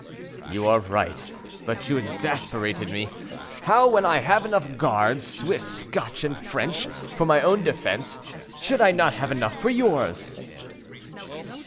"You are right, but you exasperated me. How, when I have enough guards, Swiss, Scotch, and French, for my own defense, should I not have enough for yours?"